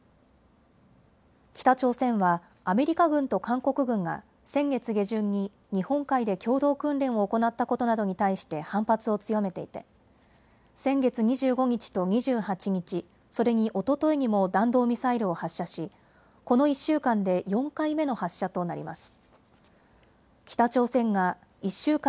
北朝鮮はアメリカ軍と韓国軍が先月下旬に日本海で共同訓練を行ったことなどに対して反発を強めていて先月２５日と２８日、それにおとといにも弾道ミサイルを発射しこの１週間で４回目の発射となります。